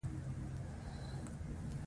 قوماندان ته باید امر شي عسکر واخلي.